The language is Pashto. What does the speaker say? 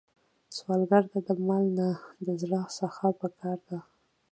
سوالګر ته د مال نه، د زړه سخا پکار ده